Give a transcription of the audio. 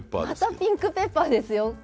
またピンクペッパーですよ。